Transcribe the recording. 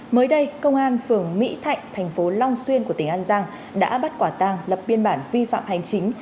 mới đây công an phường mỹ thạnh thành phố long xuyên của tỉnh an giang đã bắt quả tàng lập biên bản vi phạm hành chính